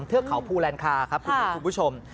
เทือกเขาภูแลนคาครับคุณผู้ชม